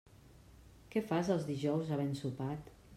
Què fas els dijous havent sopat?